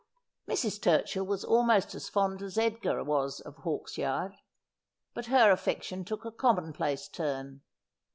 Mrs. Turchill was almost as fond as Edgar was of Hawks yard ; but her affection took a commonplace turn.